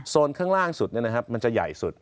โซนข้างล่างสุดเนี่ยนะครับมันจะใหญ่สุด